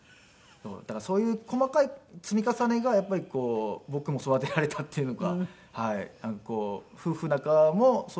だからそういう細かい積み重ねがやっぱり僕も育てられたっていうのか。